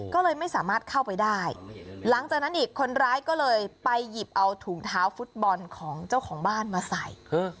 ก็เลยไม่สามารถเข้าไปได้หลังจากนั้นอีกคนร้ายก็เลยไปหยิบเอาถุงเท้าฟุตบอลของเจ้าของบ้านมาใส่